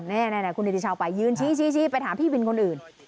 นี่คุณนิติชาวไปยืนชี้ไปถามพี่วินคนอื่น